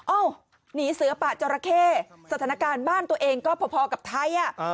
หนีเสือป่าจราเข้สถานการณ์บ้านตัวเองก็พอกับไทย